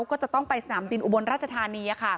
ก็จะต้องไปสนามบินอุบลราชธานี